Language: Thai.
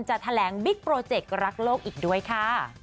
จะแถลงบิ๊กโปรเจกต์รักโลกอีกด้วยค่ะ